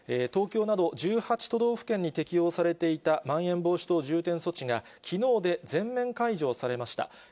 東京など１８都道府県に適用されていたまん延防止等重点措置が、きのうで全面解除されました。